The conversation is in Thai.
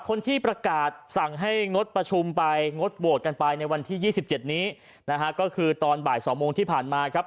คนที่ประกาศสั่งให้งดประชุมไปงดโหวตกันไปในวันที่๒๗นี้นะฮะก็คือตอนบ่าย๒โมงที่ผ่านมาครับ